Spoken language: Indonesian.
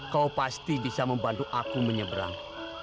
kau pasti bisa membantu aku menyeberang